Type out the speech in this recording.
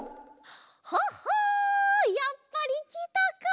ほっほやっぱりきたか。